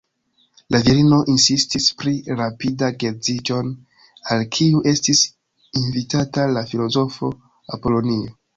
La virino insistis pri rapida geedziĝon, al kiu estis invitata la filozofo Apolonio.